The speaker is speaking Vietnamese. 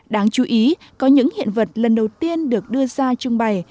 đáng chú ý có những hiện vật lần đầu tiên được đưa ra trưng bày